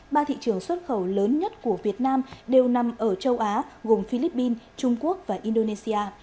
ba thị trường xuất khẩu lớn nhất của việt nam đều nằm ở châu á gồm philippines trung quốc và indonesia